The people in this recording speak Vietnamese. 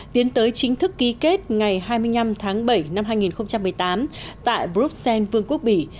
tiến tới chính thức ký kết ngày hai mươi năm tháng bảy năm hai nghìn một mươi tám tại bruxelles vương quốc bỉ